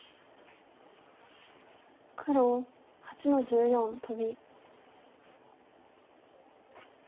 黒８の十四トビ。